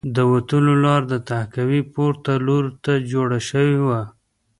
د وتلو لاره د تهکوي پورته لور ته جوړه شوې وه